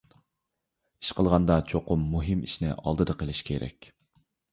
ئىش قىلغاندا چوقۇم مۇھىم ئىشنى ئالدىدا قىلىش كېرەك.